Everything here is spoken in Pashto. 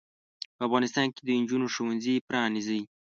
په افغانستان کې د انجونو ښوونځې پرانځئ.